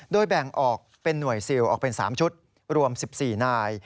โดยแบ่งออกเป็นหน่วยซิลออกเป็น๓ชุดรวม๑๔นาย